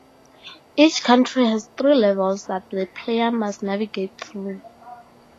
Each country has three levels that the player must navigate through.